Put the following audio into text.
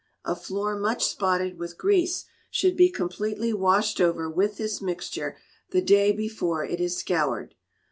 A floor much spotted with grease should be completely washed over with this mixture the day before it is scoured.